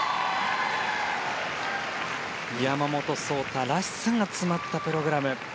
山本草太らしさが詰まったプログラム。